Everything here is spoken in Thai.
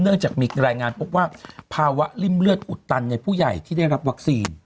จากมีรายงานพบว่าภาวะริ่มเลือดอุดตันในผู้ใหญ่ที่ได้รับวัคซีน